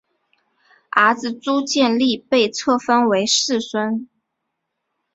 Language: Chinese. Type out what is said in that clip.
儿子朱健杙被册封为世孙。